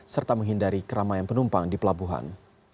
serta menghindari keramaian penumpang di pelabuhan